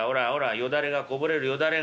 よだれがこぼれるよだれが。